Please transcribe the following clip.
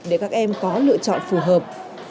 để các em có lựa chọn phù hợp